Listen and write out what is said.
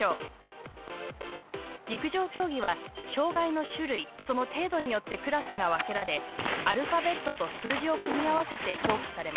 陸上競技は障がいの種類その程度によってクラスが分けられアルファベットと数字を組み合わせて表記されます。